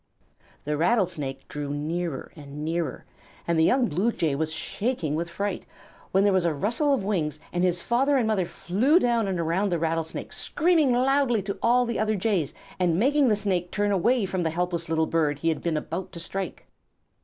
The Rattlesnake drew nearer and nearer, and the young Blue Jay was shaking with fright, when there was a rustle of wings, and his father and mother flew down and around the Rattlesnake, screaming loudly to all the other Jays, and making the Snake turn away from the helpless little bird he had been about to strike.